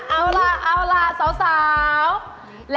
เอาล่ะเอาล่ะเอาล่ะ